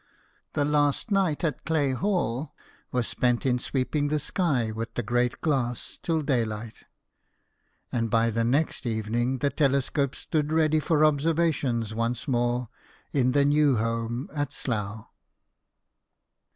The last night at Clay Hall was spent in sweeping the sky with the great glass till daylight ; and by the next evening the telescope stood ready for observations once more in the new home at Slough.